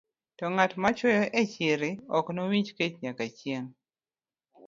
To ng'at ma chwoyo e chiri ok nowinj kech nyaka chieng'.